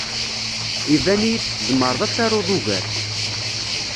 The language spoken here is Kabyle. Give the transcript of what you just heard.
Iban-iyi-d tzemreḍ ad taruḍ ugar.